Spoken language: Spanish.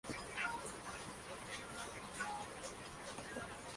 Se trata de uno de los espectadores, que planea un delito sanguinario.